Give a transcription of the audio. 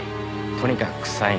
とにかく臭いね。